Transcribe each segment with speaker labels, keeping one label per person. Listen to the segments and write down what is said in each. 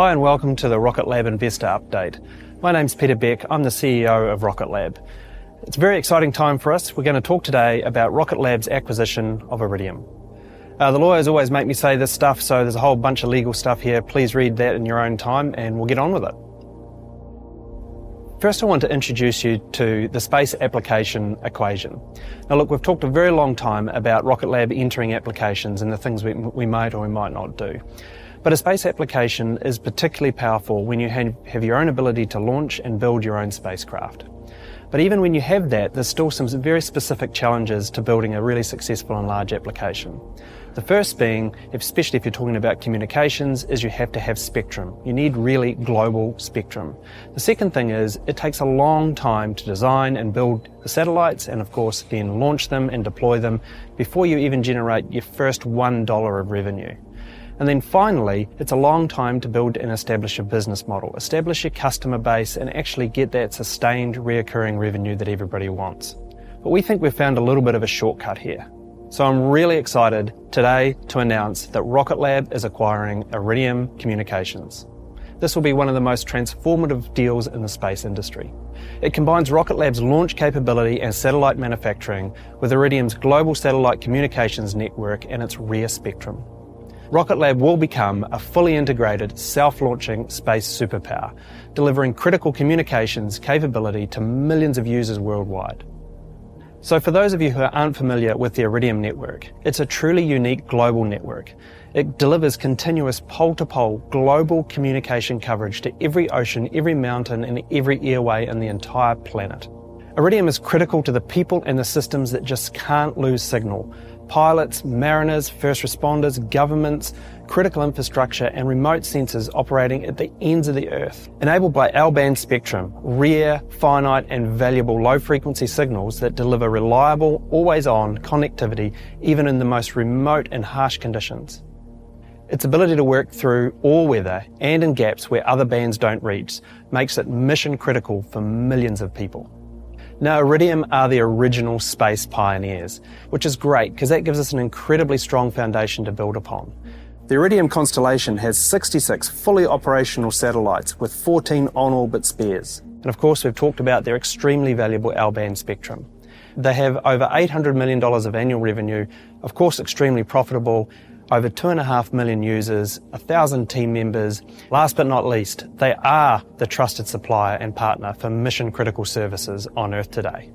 Speaker 1: Hi, welcome to the Rocket Lab Investor Update. My name's Peter Beck. I'm the CEO of Rocket Lab. It's a very exciting time for us. We're going to talk today about Rocket Lab's acquisition of Iridium. The lawyers always make me say this stuff, there's a whole bunch of legal stuff here. Please read that in your own time, we'll get on with it. First, I want to introduce you to the space application equation. Look, we've talked a very long time about Rocket Lab entering applications and the things we might or we might not do. A space application is particularly powerful when you have your own ability to launch and build your own spacecraft. Even when you have that, there's still some very specific challenges to building a really successful and large application. The first being, especially if you're talking about communications, is you have to have spectrum. You need really global spectrum. The second thing is it takes a long time to design and build the satellites and, of course, launch them and deploy them before you even generate your first $1 of revenue. Finally, it's a long time to build and establish a business model, establish a customer base, and actually get that sustained, reoccurring revenue that everybody wants. We think we've found a little bit of a shortcut here. I'm really excited today to announce that Rocket Lab is acquiring Iridium Communications. This will be one of the most transformative deals in the space industry. It combines Rocket Lab's launch capability and satellite manufacturing with Iridium's global satellite communications network and its rare spectrum. Rocket Lab will become a fully integrated self-launching space superpower, delivering critical communications capability to millions of users worldwide. For those of you who aren't familiar with the Iridium network, it's a truly unique global network. It delivers continuous pole-to-pole global communication coverage to every ocean, every mountain, and every airway in the entire planet. Iridium is critical to the people and the systems that just can't lose signal. Pilots, mariners, first responders, governments, critical infrastructure, and remote sensors operating at the ends of the Earth. Enabled by L-band spectrum, rare, finite, and valuable low-frequency signals that deliver reliable, always-on connectivity, even in the most remote and harsh conditions. Its ability to work through all weather and in gaps where other bands don't reach makes it mission critical for millions of people. Iridium are the original space pioneers, which is great because that gives us an incredibly strong foundation to build upon. The Iridium constellation has 66 fully operational satellites with 14 on-orbit spares. Of course, we've talked about their extremely valuable L-band spectrum. They have over $800 million of annual revenue. Of course, extremely profitable. Over 2.5 million users, 1,000 team members. Last but not least, they are the trusted supplier and partner for mission-critical services on Earth today.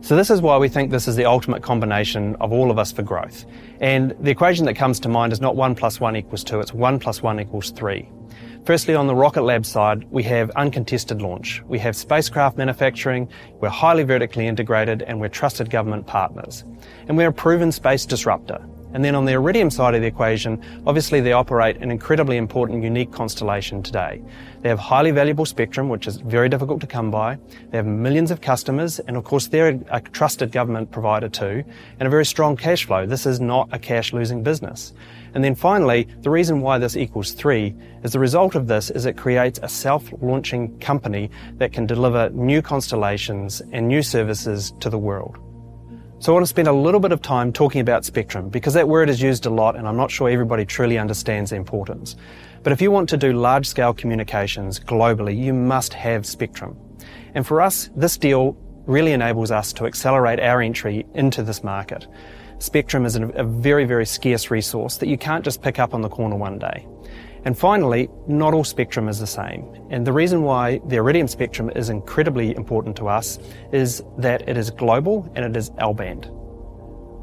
Speaker 1: This is why we think this is the ultimate combination of all of us for growth. The equation that comes to mind is not 1 + 1 = 2, it's 1 + 1 = 3. Firstly, on the Rocket Lab side, we have uncontested launch. We have spacecraft manufacturing. We're highly vertically integrated, we're trusted government partners. We're a proven space disruptor. On the Iridium side of the equation, obviously, they operate an incredibly important, unique constellation today. They have highly valuable spectrum, which is very difficult to come by. They have millions of customers, and of course, they're a trusted government provider, too, and a very strong cash flow. This is not a cash-losing business. Finally, the reason why this equals three is the result of this is it creates a self-launching company that can deliver new constellations and new services to the world. I want to spend a little bit of time talking about spectrum, because that word is used a lot, and I'm not sure everybody truly understands the importance. If you want to do large-scale communications globally, you must have spectrum. For us, this deal really enables us to accelerate our entry into this market. Spectrum is a very, very scarce resource that you can't just pick up on the corner one day. Finally, not all spectrum is the same. The reason why the Iridium spectrum is incredibly important to us is that it is global and it is L-band.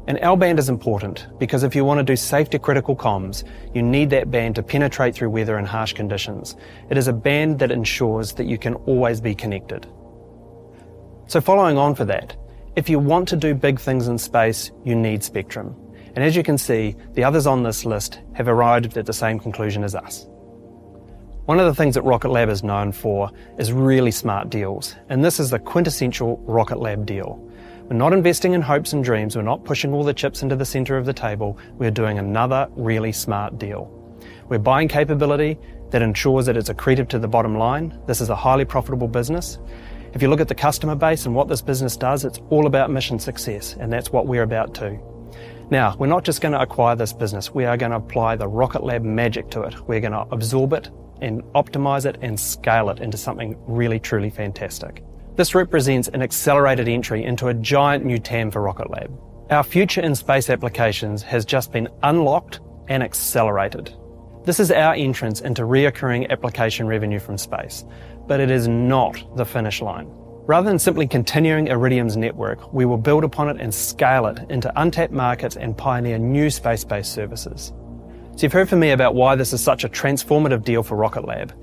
Speaker 1: L-band is important because if you want to do safety-critical comms, you need that band to penetrate through weather and harsh conditions. It is a band that ensures that you can always be connected. Following on from that, if you want to do big things in space, you need spectrum. As you can see, the others on this list have arrived at the same conclusion as us. One of the things that Rocket Lab is known for is really smart deals, and this is the quintessential Rocket Lab deal. We're not investing in hopes and dreams. We're not pushing all the chips into the center of the table. We're doing another really smart deal. We're buying capability that ensures that it's accretive to the bottom line. This is a highly profitable business. If you look at the customer base and what this business does, it's all about mission success, and that's what we're about, too. We're not just going to acquire this business. We are going to apply the Rocket Lab magic to it. We're going to absorb it and optimize it and scale it into something really, truly fantastic. This represents an accelerated entry into a giant new TAM for Rocket Lab. Our future in space applications has just been unlocked and accelerated. This is our entrance into reoccurring application revenue from space, it is not the finish line. Rather than simply continuing Iridium's network, we will build upon it and scale it into untapped markets and pioneer new space-based services. You've heard from me about why this is such a transformative deal for Rocket Lab,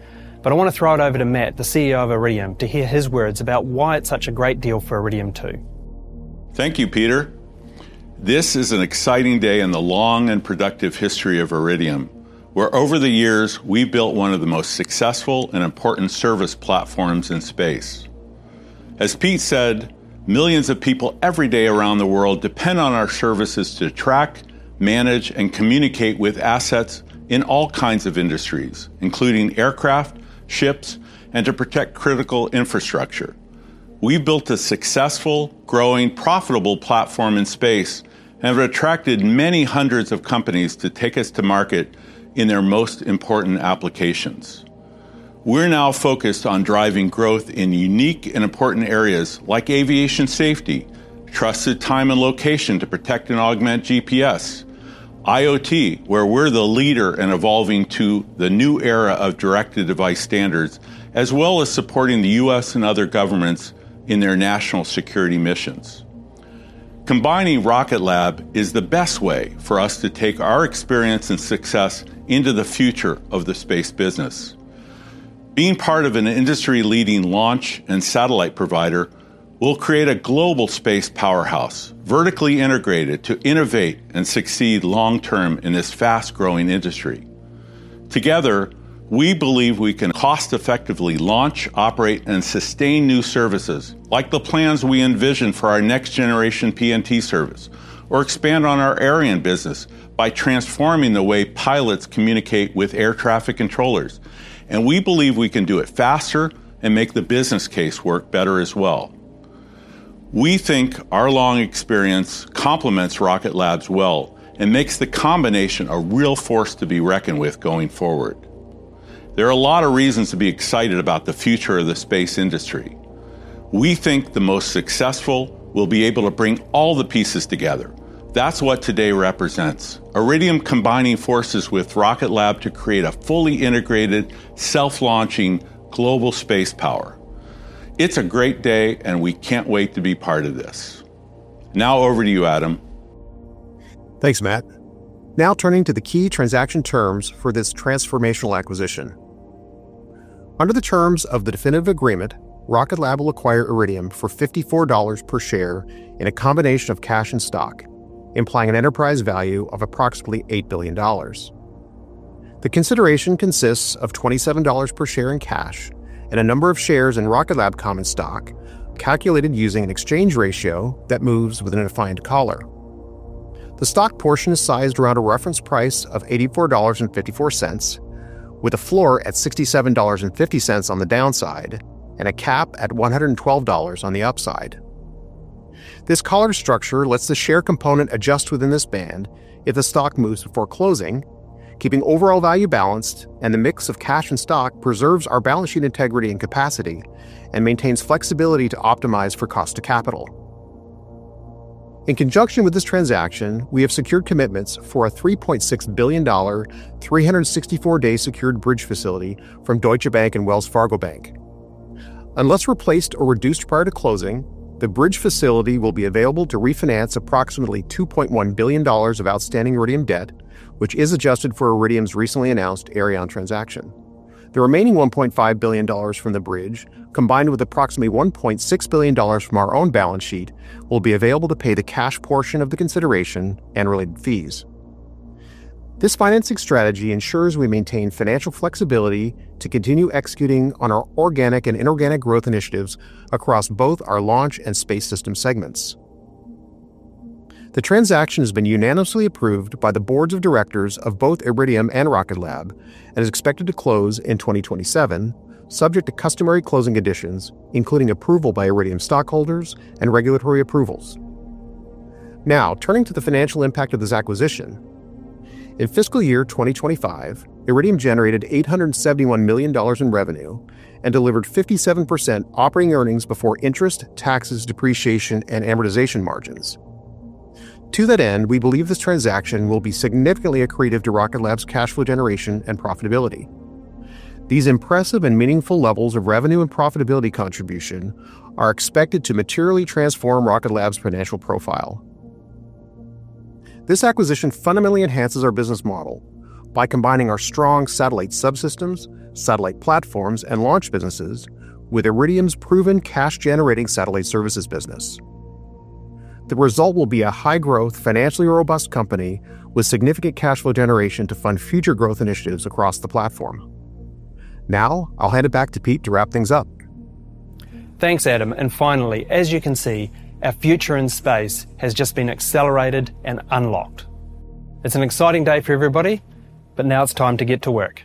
Speaker 1: I want to throw it over to Matt, the CEO of Iridium, to hear his words about why it's such a great deal for Iridium, too.
Speaker 2: Thank you, Peter. This is an exciting day in the long and productive history of Iridium, where over the years, we built one of the most successful and important service platforms in space. As Pete said, millions of people every day around the world depend on our services to track, manage, and communicate with assets in all kinds of industries, including aircraft, ships, and to protect critical infrastructure. We've built a successful, growing, profitable platform in space and have attracted many hundreds of companies to take us to market in their most important applications. We're now focused on driving growth in unique and important areas like aviation safety, trusted time and location to protect and augment GPS, IoT, where we're the leader in evolving to the new era of direct-to-device standards, as well as supporting the U.S. and other governments in their national security missions. Combining Rocket Lab is the best way for us to take our experience and success into the future of the space business. Being part of an industry-leading launch and satellite provider will create a global space powerhouse, vertically integrated to innovate and succeed long-term in this fast-growing industry. Together, we believe we can cost effectively launch, operate, and sustain new services, like the plans we envision for our next generation PNT service, or expand on our Aireon business by transforming the way pilots communicate with air traffic controllers. We believe we can do it faster and make the business case work better as well. We think our long experience complements Rocket Lab's well and makes the combination a real force to be reckoned with going forward. There are a lot of reasons to be excited about the future of the space industry. We think the most successful will be able to bring all the pieces together. That's what today represents, Iridium combining forces with Rocket Lab to create a fully integrated, self-launching global space power. It's a great day, and we can't wait to be part of this. Now over to you, Adam.
Speaker 3: Thanks, Matt. Now turning to the key transaction terms for this transformational acquisition. Under the terms of the definitive agreement, Rocket Lab will acquire Iridium for $54 per share in a combination of cash and stock, implying an enterprise value of approximately $8 billion. The consideration consists of $27 per share in cash and a number of shares in Rocket Lab common stock, calculated using an exchange ratio that moves within a defined collar. The stock portion is sized around a reference price of $84.54, with a floor at $67.50 on the downside and a cap at $112 on the upside. The mix of cash and stock preserves our balance sheet integrity and capacity and maintains flexibility to optimize for cost to capital. In conjunction with this transaction, we have secured commitments for a $3.6 billion, 364-day secured bridge facility from Deutsche Bank and Wells Fargo Bank. Unless replaced or reduced prior to closing, the bridge facility will be available to refinance approximately $2.1 billion of outstanding Iridium debt, which is adjusted for Iridium's recently announced Aireon transaction. The remaining $1.5 billion from the bridge, combined with approximately $1.6 billion from our own balance sheet, will be available to pay the cash portion of the consideration and related fees. This financing strategy ensures we maintain financial flexibility to continue executing on our organic and inorganic growth initiatives across both our Launch and Space Systems segments. The transaction has been unanimously approved by the boards of directors of both Iridium and Rocket Lab and is expected to close in 2027, subject to customary closing conditions, including approval by Iridium stockholders and regulatory approvals. Turning to the financial impact of this acquisition. In fiscal year 2025, Iridium generated $871 million in revenue and delivered 57% operating earnings before interest, taxes, depreciation, and amortization margins. To that end, we believe this transaction will be significantly accretive to Rocket Lab's cash flow generation and profitability. These impressive and meaningful levels of revenue and profitability contribution are expected to materially transform Rocket Lab's financial profile. This acquisition fundamentally enhances our business model by combining our strong satellite subsystems, satellite platforms, and launch businesses with Iridium's proven cash-generating satellite services business. The result will be a high-growth, financially robust company with significant cash flow generation to fund future growth initiatives across the platform. I'll hand it back to Pete to wrap things up.
Speaker 1: Thanks, Adam. Finally, as you can see, our future in space has just been accelerated and unlocked. It's an exciting day for everybody. Now it's time to get to work.